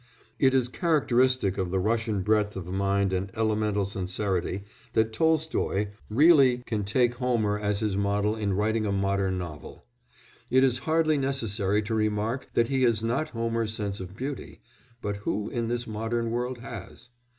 It is characteristic of the Russian breadth of mind and elemental sincerity that Tolstoy really can take Homer as his model in writing a modern novel. It is hardly necessary to remark that he has not Homer's sense of beauty, but who in this modern world has?